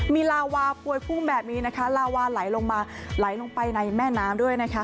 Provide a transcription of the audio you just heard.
มีลาวาพวยพุ่งแบบนี้นะคะลาวาไหลลงมาไหลลงไปในแม่น้ำด้วยนะคะ